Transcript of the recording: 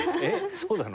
そうなの？